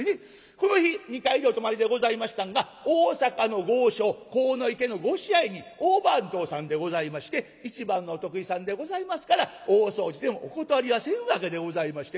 この日２階でお泊まりでございましたんが大坂の豪商鴻池のご支配人大番頭さんでございまして一番のお得意さんでございますから大掃除でもお断りはせんわけでございましてね。